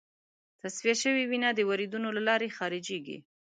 تصفیه شوې وینه د وریدونو له لارې خارجېږي.